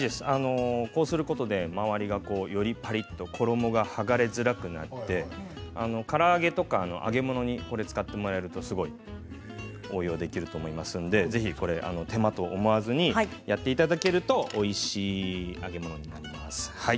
こうすることで周りがよりパリっと衣が、はがれづらくなりから揚げとかの揚げ物にこれ使ってもらえるとすごい応用できると思いますのでぜひ手間と思わずにやっていただけるとおいしい揚げ物になります。